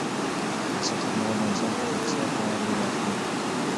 د حسد ختمول د انسان په شخصیت اغیزه کوي.